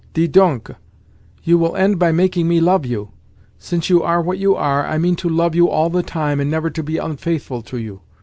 Dis donc—you will end by making me love you. Since you are what you are, I mean to love you all the time, and never to be unfaithful to you.